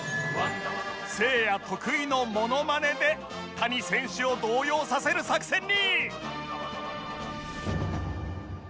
せいや得意のモノマネで谷選手を動揺させる作戦に